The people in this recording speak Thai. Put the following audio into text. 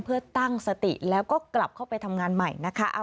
เพื่อตั้งสติแล้วก็กลับเข้าไปทำงานใหม่นะคะ